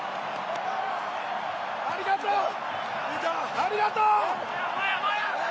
ありがとう！